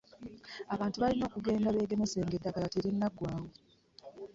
Abantu balina okugenda begemese nga eddagala terinnagwawo.